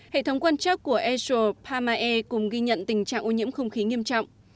hệ thống quan trắc của airshow pamae cùng ghi nhận tình trạng ô nhiễm không khí nghiêm trọng